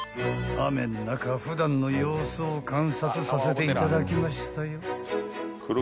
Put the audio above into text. ［雨の中普段の様子を観察させていただきましたよ］